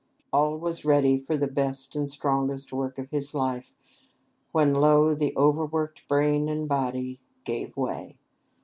All was ready for the best and strongest work of his life, when, lo! the overworked brain and body gave way.